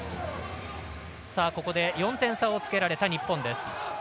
４点差をつけられた日本です。